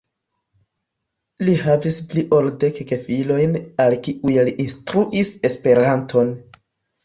Li havis pli ol dek gefilojn al kiuj li instruis Esperanton.